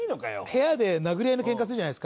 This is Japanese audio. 部屋で殴り合いのケンカするじゃないですか。